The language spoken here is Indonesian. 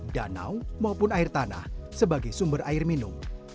danau maupun air tanah sebagai sumber air minum